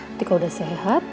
nanti kalau udah sehat